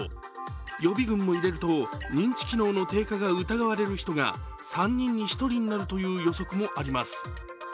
予備軍も入れると認知機能の低下が疑われる人が３人に１人になるという予測もあります。